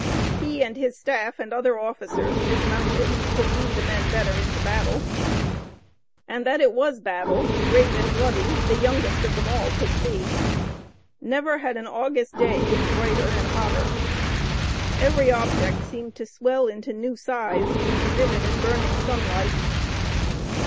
He and his staff and other officers, dismounted, could lead the men better into battle. And that it was battle, great and bloody, the youngest of them all could see. Never had an August day been brighter and hotter. Every object seemed to swell into new size in the vivid and burning sunlight.